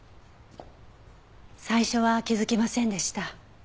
最初は気づきませんでした。